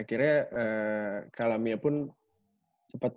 akhirnya kalamnya pun cepet